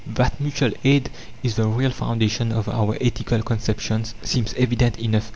That mutual aid is the real foundation of our ethical conceptions seems evident enough.